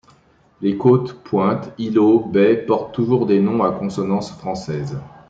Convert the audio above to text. Les côtes, pointes, îlots, baies portent toujours des noms à consonances françaises.